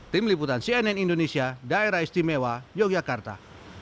tim liputan cnn indonesia daerah istimewa yogyakarta